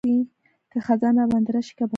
که خزان راباندې راشي که بهار.